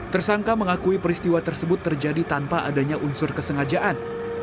tersangka mengakui peristiwa tersebut terjadi tanpa adanya unsur kesengajaan